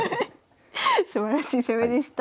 すばらしい攻めでした。